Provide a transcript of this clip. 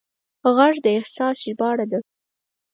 غږ د احساس ژباړه ده